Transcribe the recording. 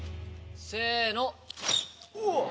せの！